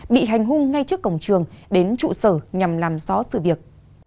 bị hành hung ngay trước cổng trường đến trụ sở nhằm làm xó xử việc